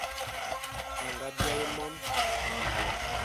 Anga biaé mon.